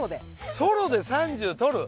ソロで３０とる！？